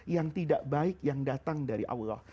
yang tidak baik yang datang dari allah